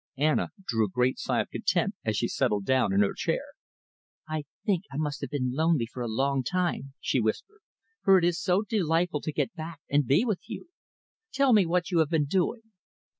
Anna drew a great sigh of content as she settled down in her chair. "I think I must have been lonely for a long time," she whispered, "for it is so delightful to get back and be with you. Tell me what you have been doing?"